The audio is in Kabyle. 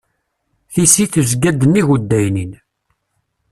Tisi tezga-d nnig uddaynin.